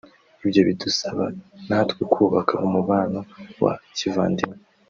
Ibyo bidusaba natwe kubaka umubano wa kivandimwe